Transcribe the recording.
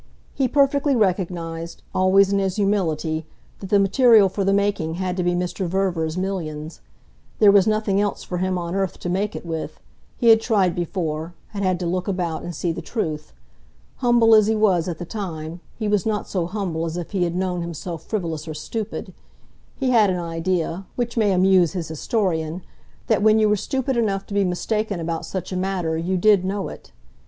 He perfectly recognised always in his humility that the material for the making had to be Mr. Verver's millions. There was nothing else for him on earth to make it with; he had tried before had had to look about and see the truth. Humble as he was, at the same time, he was not so humble as if he had known himself frivolous or stupid. He had an idea which may amuse his historian that when you were stupid enough to be mistaken about such a matter you did know it.